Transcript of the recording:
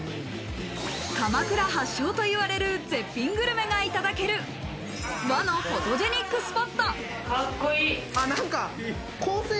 鎌倉発祥といわれる絶品グルメがいただける和のフォトジェニックスポット。